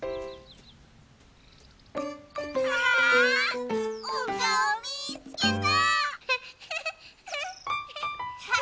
わおかおみつけた！